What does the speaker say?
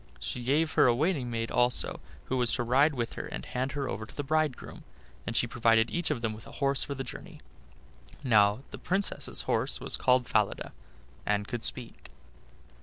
She gave her a waiting maid also, who was to ride with her and hand her over to the bridegroom, and she provided each of them with a horse for the journey. Now the Princess's horse was called Falada, and could speak.